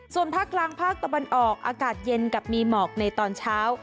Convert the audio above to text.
ส่วนภาคกลางภาคตะวันออกอากาศเย็นกับมีหมอกในตอนเช้า